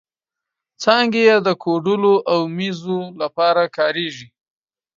څانګې یې د کوډلو او مېزو لپاره کارېږي.